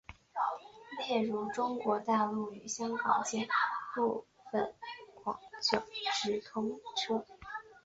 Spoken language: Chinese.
例如中国大陆与香港间部分广九直通车。